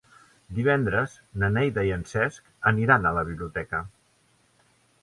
Divendres na Neida i en Cesc aniran a la biblioteca.